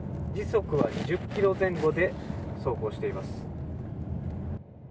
時速は２０キロ前後で走行しています。